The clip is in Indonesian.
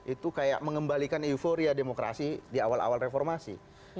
itu kayak mengembalikan euforia demokrasi di awal awal reformasi